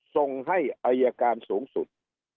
ส่งให้อายการสูงสุด